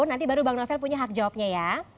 nanti baru bang novel punya hak jawabnya ya